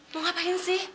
mau ngapain sih